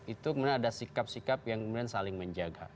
itu kemudian ada sikap sikap yang kemudian saling menjaga